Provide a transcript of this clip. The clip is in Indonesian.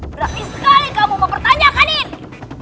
berarti sekali kamu mau pertanyakan ini